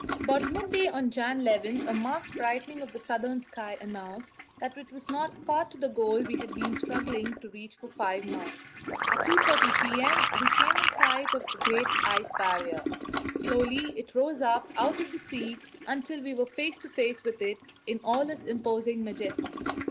About midday on January 11 a marked brightening of the southern sky announced that it was not far to the goal we had been struggling to reach for five months. At 2.30 p.m. we came in sight of the Great Ice Barrier. Slowly it rose up out of the sea until we were face to face with it in all its imposing majesty.